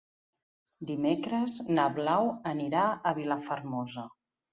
Dimecres na Blau anirà a Vilafermosa.